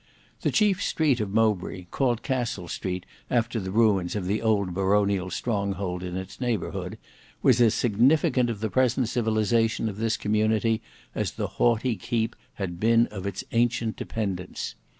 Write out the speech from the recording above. The chief street of Mowbray, called Castle Street after the ruins of the old baronial stronghold in its neighbourhood, was as significant of the present civilization of this community as the haughty keep had been of its ancient dependence.